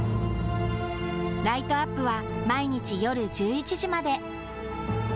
ライトアップは毎日夜１１時まで。